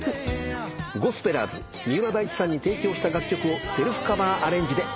ゴスペラーズ三浦大知さんに提供した楽曲をセルフカバーアレンジで。